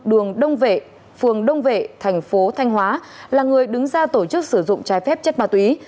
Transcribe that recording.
đường đông vệ phường đông vệ thành phố thanh hóa là người đứng ra tổ chức sử dụng trái phép chất ma túy